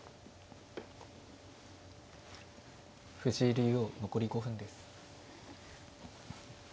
藤井竜王残り５分です。